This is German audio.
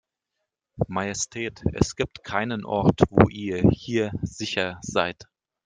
Majestät, es gibt keinen Ort, wo ihr hier sicher seid.